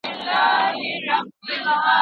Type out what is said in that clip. دا نظریات په پخوانیو کتابونو کي خوندي دي.